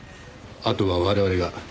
あとは我々が。